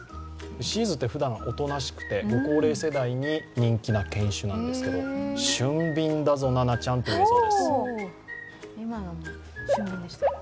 シーズーってふだんおとなしくて御高齢世代に人気の犬種ですけど俊敏だぞ、ななちゃんという映像です。